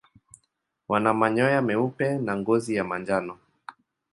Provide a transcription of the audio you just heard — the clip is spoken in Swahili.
Wana manyoya meupe na ngozi ya manjano.